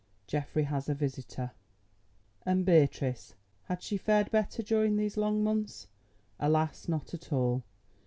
GEOFFREY HAS A VISITOR And Beatrice—had she fared better during these long months? Alas, not at all.